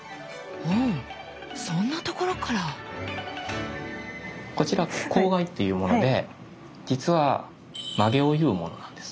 うんそんなところから⁉こちら笄っていうもので実は髷を結うものなんです。